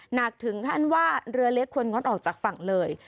หนักถึงขั้นว่าเรือเล็กควรงดออกจากฝั่งเลย